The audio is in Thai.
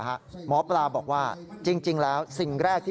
สายลูกไว้อย่าใส่